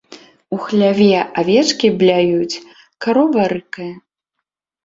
У хляве авечкі бляюць, карова рыкае.